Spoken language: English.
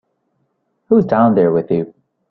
Who's down there with you?